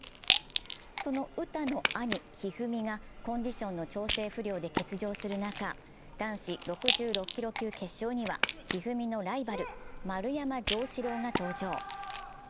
その詩の兄・一二三がコンディションの調整不良で欠場する中、男子６６キロ級決勝には一二三のライバル、丸山城志郎が登場。